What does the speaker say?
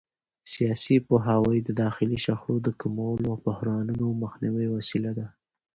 سیاسي پوهاوی د داخلي شخړو د کمولو او بحرانونو مخنیوي وسیله ده